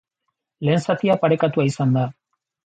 Lehen zatia parekatua izan da.